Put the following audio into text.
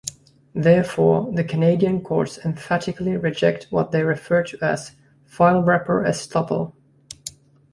Therefore, the Canadian courts emphatically reject what they refer to as "file wrapper estoppel".